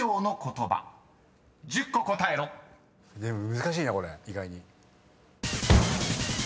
難しいねこれ意外に。